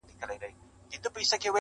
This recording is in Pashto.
دا هم له تا جار دی، اې وطنه زوروره